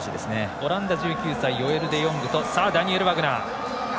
オランダ１９歳ヨエル・デヨングとダニエル・ワグナー。